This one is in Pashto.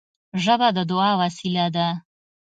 ژبه د دعا وسیله ده